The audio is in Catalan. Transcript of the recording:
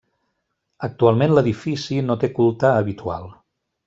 Actualment l'edifici no té culte habitual.